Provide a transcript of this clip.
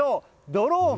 ドローン！